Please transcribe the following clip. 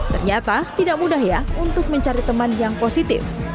ternyata tidak mudah ya untuk mencari teman yang positif